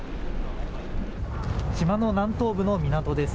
島の南東部の港です。